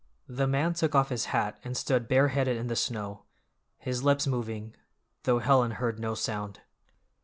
The man took off his hat and stood bare headed in the snow, his lips moving, though Helen heard no sound.